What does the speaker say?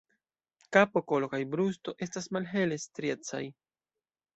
Kapo, kolo kaj brusto estas malhele striecaj.